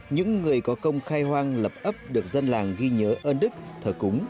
những người có công khai hoang lập ấp được dân làng ghi nhớ ơn đức thờ cúng